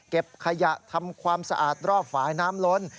เก็บขยะทำความสะอาดรอบฝ่ายน้ำล้น